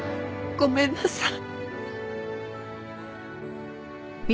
ごめんなさい。